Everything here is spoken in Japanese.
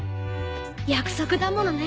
約束だものね。